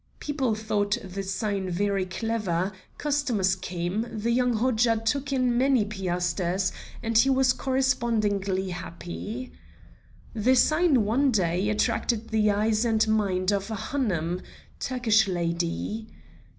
People thought the sign very clever, customers came, the young Hodja took in many piasters and he was correspondingly happy. This sign one day attracted the eyes and mind of a Hanoum (Turkish lady).